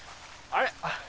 あれ？